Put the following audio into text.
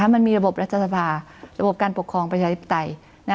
มันมีระบบรัฐสภาระบบการปกครองประชาธิปไตย